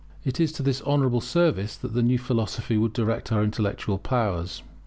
It is to this honourable service that the new philosophy would direct our intellectual powers.